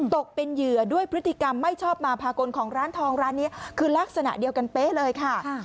ตกเป็นเหยื่อด้วยพฤติกรรมไม่ชอบมาพากลของร้านทองร้านนี้คือลักษณะเดียวกันเป๊ะเลยค่ะ